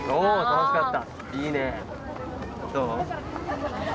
楽しかった。